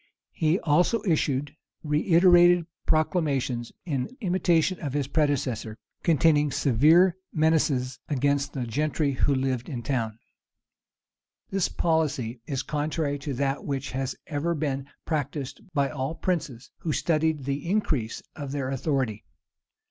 He also issued reiterated proclamations, in imitation of his predecessor; containing severe menaces against the gentry who lived in town.[] * Apophthegms. Rymer, tom. xvii. p. 632. This policy is contrary to that which has ever been practised by all princes who studied the increase of their authority.